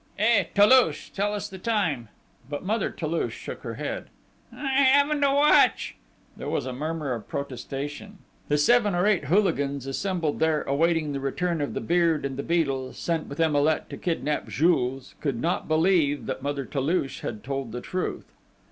"Eh, Toulouche, tell us the time!" But Mother Toulouche shook her head. "I haven't a watch!" There was a murmur of protestation. The seven or eight hooligans assembled there awaiting the return of the Beard and the Beadle, sent with Emilet to kidnap Jules, could not believe that. Mother Toulouche had told the truth.